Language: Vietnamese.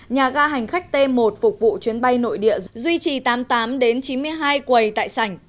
nhà ga hành khách t một phục vụ chuyến bay nội địa duy trì tám mươi tám chín mươi hai quầy tại sảnh